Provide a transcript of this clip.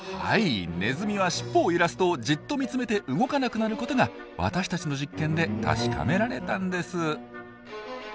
ネズミはしっぽを揺らすとじっと見つめて動かなくなることが私たちの実験で確かめられたんです。